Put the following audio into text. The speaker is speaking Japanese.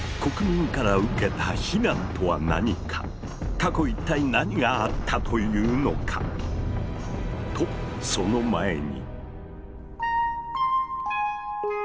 過去一体何があったというのか⁉とその前に。